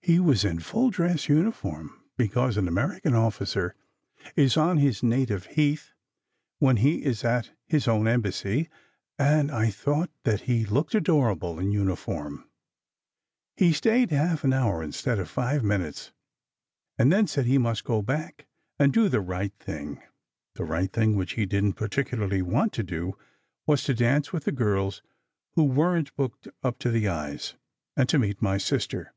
He was in full dress uniform, because an American officer is on his native heath when he s at his own Embassy ; and I thought that he looked adorable in uniform. He stayed half an hour instead of five minutes, and then said he must go back, and "do the right thing." The right thing, which he didn t particularly want to do, was to dance with the girls who weren t booked up to the eyes, and to meet my sister.